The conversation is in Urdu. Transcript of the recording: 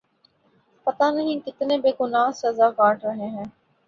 پتا نہیں کتنے بے گنا سزا کاٹ رہے ہیں